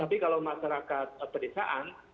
tapi kalau masyarakat pedesaan